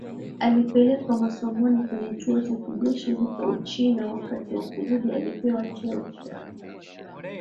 alipelekwa masomoni kwenye chuo cha kijeshi huko Uchina Wakati wa kurudi alipewa cheo cha